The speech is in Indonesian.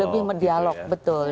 lebih berdialog betul